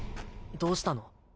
どうしたの？